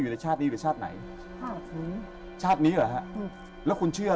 แต่ตั้งแต่คนใช้ที่บ้านเก่าของคุณปู่อ่ะค่ะ